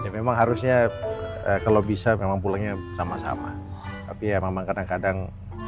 memang harusnya kalau bisa memang pulangnya sama sama tapi ya memang kadang kadang